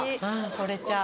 ほれちゃう。